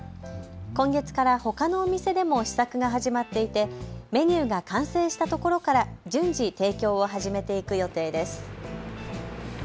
今月からほかのお店でも試作が始まっていてメニューが完成したところから順次、提供を始めていく予定です。